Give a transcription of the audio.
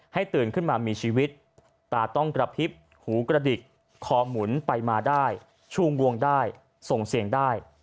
ตื่นขึ้นมามีชีวิตตาต้องกระพริบหูกระดิกคอหมุนไปมาได้ชูงวงได้ส่งเสียงได้